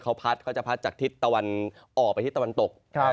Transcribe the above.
เขาพัดเขาจะพัดจากทิศตะวันออกไปทิศตะวันตก